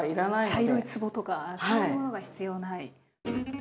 茶色いつぼとかそういうものが必要ない。